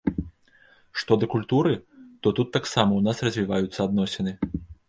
Што да культуры, то тут таксама ў нас развіваюцца адносіны.